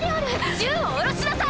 銃を下ろしなさい！